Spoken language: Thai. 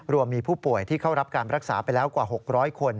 รวมมีผู้ป่วยที่เข้ารับการรักษาไปแล้วกว่า๖๐๐คน